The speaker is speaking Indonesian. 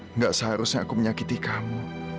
enggak seharusnya aku menyakiti kamu